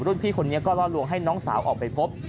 พี่คนนี้ก็ล่อลวงให้น้องสาวออกไปพบ